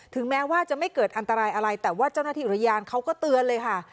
แม้ว่าจะไม่เกิดอันตรายอะไรแต่ว่าเจ้าหน้าที่อุทยานเขาก็เตือนเลยค่ะ